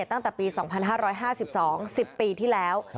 ตั้งแต่ปี๒๕๕๒๑๐ปีที่แล้ว